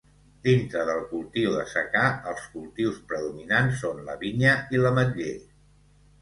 Dintre del cultiu de secà els cultius predominants són la vinya i l'ametler.